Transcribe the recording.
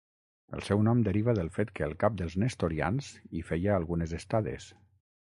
El seu nom deriva del fet que el cap dels nestorians hi feia algunes estades.